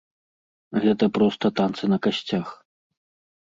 Гэта проста танцы на касцях.